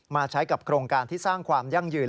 ใช้กับโครงการที่สร้างความยั่งยืน